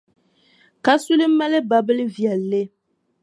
Kasuli mali babilʼ viɛlli.